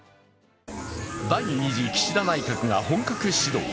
第２次岸田内閣が本格始動。